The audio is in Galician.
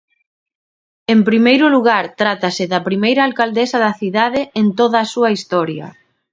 En primeiro lugar, trátase da primeira alcaldesa da cidade en toda a súa historia.